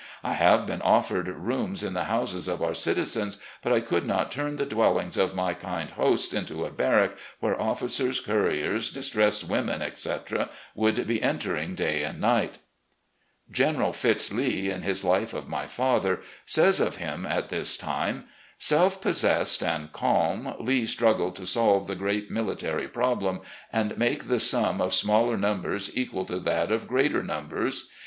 I have been offered rooms in the houses of our citizens, but I could not turn the dwellings of my kind hosts into a barrack where officers, coiuiers, distressed women, etc., would be entering day and night. ..." FRONTING THE ARMY OP THE POTOMAC 141 General Fitz Lee, in his life of my father, says of him at this time: "Self possessed and calm, Lee struggled to solve the huge military problem, and make the sum of smaller numbers equal to that of greater numbers.